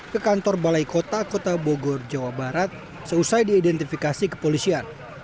ke kantor balai kota kota bogor jawa barat seusai diidentifikasi kepolisian